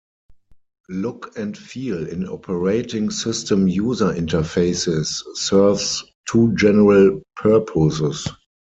Look and feel in operating system user interfaces serves two general purposes.